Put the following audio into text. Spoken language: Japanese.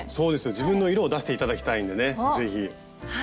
自分の色を出して頂きたいんでね是非。